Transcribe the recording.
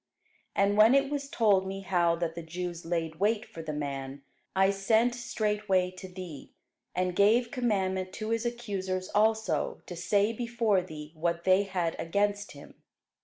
And when it was told me how that the Jews laid wait for the man, I sent straightway to thee, and gave commandment to his accusers also to say before thee what they had against him.